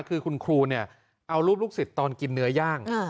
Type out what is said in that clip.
คือคุณครูเนี่ยเอารูปลูกศิษย์ตอนกินเนื้อย่าง